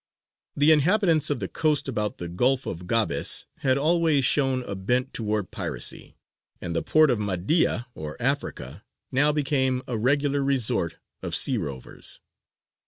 The inhabitants of the coast about the Gulf of Gabes had always shown a bent towards piracy, and the port of Mahdīya, or "Africa," now became a regular resort of sea rovers.